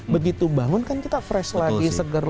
begitu bangun kan kita fresh lagi seger